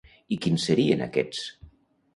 I quins serien aquests?